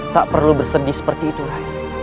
tak perlu bersedih seperti itu rai